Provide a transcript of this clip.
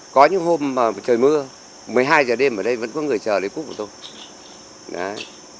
có những hôm trời mưa một mươi hai h đêm ở đây vẫn có người chờ lấy cúp của tôi